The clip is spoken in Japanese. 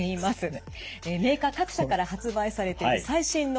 メーカー各社から発売されている最新の補聴器です。